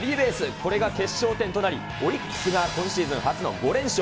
これが決勝点となり、オリックスが今シーズン初の５連勝。